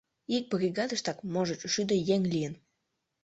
Ик бригадыштак, можыч, шӱдӧ еҥ лийын.